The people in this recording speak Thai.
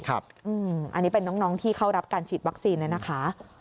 อันนี้เป็นน้องที่เข้ารับการฉีดวัคซีนนะคะ